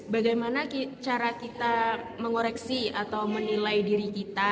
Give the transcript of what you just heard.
bagaimana cara kita mengoreksi atau menilai diri kita